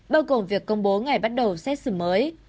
bao gồm việc công bố ngày bắt đầu xét xử mới